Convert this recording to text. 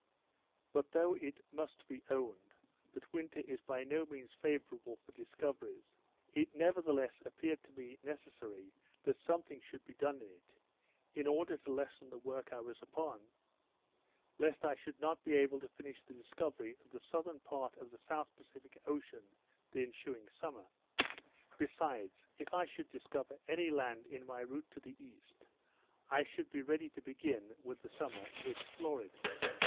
But though it most be owned, that winter is by no means favourable for discoveries, it nevertheless appeared to me necessary that something should be done in it, in order to lessen the work I was upon; lest I should not be able to finish the discovery of the southern part of the South Pacific Ocean the ensuing summer. Besides, if I should discover any land in my route to the east, I should be ready to begin, with the summer, to explore it.